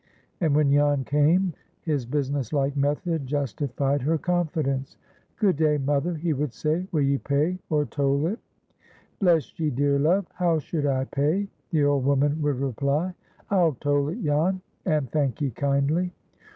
And, when Jan came, his business like method justified her confidence. "Good day, mother," he would say. "Will ye pay, or toll it?" "Bless ye, dear love, how should I pay?" the old woman would reply. "I'll toll it, Jan, and thank ye kindly."